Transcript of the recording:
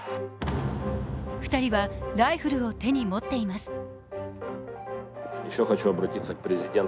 ２人はライフルを手に持っています